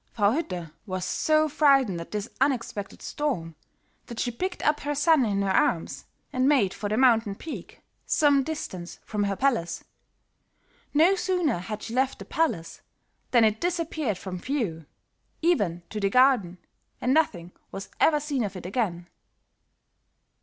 "Frau Hütte was so frightened at this unexpected storm that she picked up her son in her arms and made for the mountain peak some distance from her palace. No sooner had she left the palace than it disappeared from view, even to the garden, and nothing was ever seen of it again.